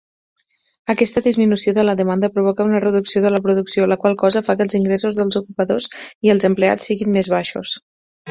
Aquesta disminució de la demanda provoca una reducció de la producció, la qual cosa fa que els ingressos dels ocupadors i els empleats siguin més baixos.